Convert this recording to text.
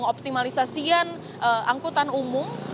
optimalisasian angkutan umum